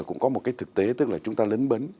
cũng có một cái thực tế tức là chúng ta lấn bấn